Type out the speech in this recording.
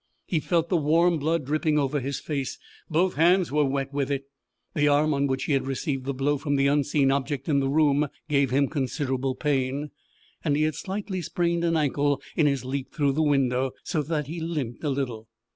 He felt the warm blood dripping over his face; both hands were wet with it, The arm on which he had received the blow from the unseen object in the room gave him considerable pain, and he had slightly sprained an ankle in his leap through the window, so that he limped a little.